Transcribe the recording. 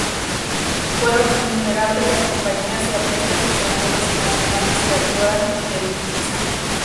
Fueron innumerables las compañías y artistas extranjeros y nacionales que actuaron en el Urquiza.